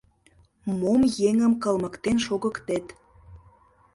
Мом еҥым кылмыктен шогыктет!..